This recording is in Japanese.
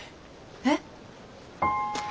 えっ？